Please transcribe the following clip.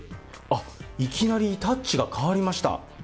あっ、いきなりタッチが変わりました。